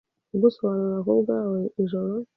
kugusobanurira kubwawe: ijoro